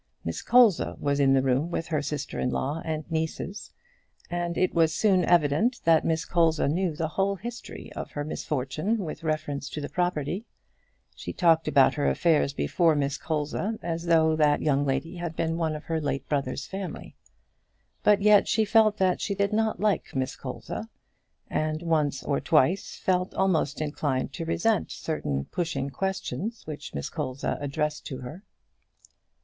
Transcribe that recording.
Miss Colza was in the room with her sister in law and nieces, and as it was soon evident that Miss Colza knew the whole history of her misfortune with reference to the property, she talked about her affairs before Miss Colza as though that young lady had been one of her late brother's family. But yet she felt that she did not like Miss Colza, and once or twice felt almost inclined to resent certain pushing questions which Miss Colza addressed to her.